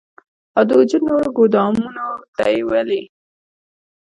او د وجود نورو ګودامونو ته ئې ولي